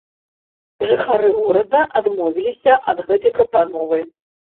Жыхары горада адмовіліся ад гэтай прапановы.